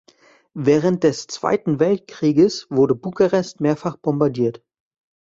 Während des Zweiten Weltkrieges wurde Bukarest mehrfach bombardiert.